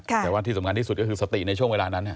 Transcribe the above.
แต่ว่าที่สำคัญที่สุดก็คือสติในช่วงเวลานั้น